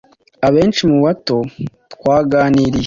Abenshi mubo twaganiriye